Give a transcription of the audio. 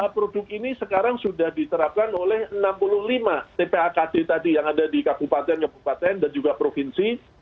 produk ini sekarang sudah diterapkan oleh enam puluh lima tpakd tadi yang ada di kabupaten kabupaten dan juga provinsi